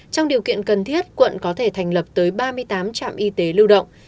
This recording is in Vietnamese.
trong điều kiện cần thiết quận có thể thành lập tới ba mươi tám trạm y tế lưu động